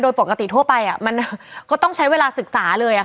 โดยปกติทั่วไปมันก็ต้องใช้เวลาศึกษาเลย